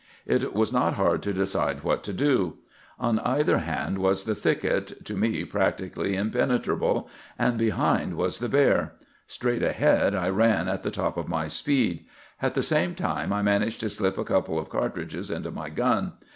"It was not hard to decide what to do. On either hand was the thicket, to me practically impenetrable; and behind was the bear. Straight ahead I ran at the top of my speed. At the same time I managed to slip a couple of cartridges into my gun.